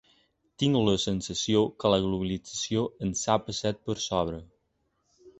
Tinc la sensació que la globalització ens ha passat per sobre.